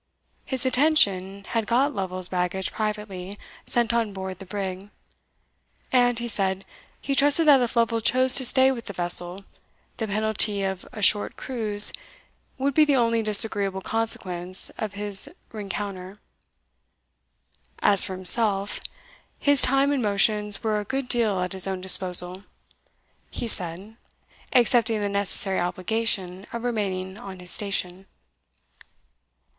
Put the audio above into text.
His attention had got Lovel's baggage privately sent on board the brig; "and," he said, "he trusted that, if Lovel chose to stay with the vessel, the penalty of a short cruise would be the only disagreeable consequence of his rencontre. As for himself, his time and motions were a good deal at his own disposal, he said, excepting the necessary obligation of remaining on his station."